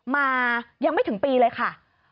มายังไม่ถึงปีเลยค่ะ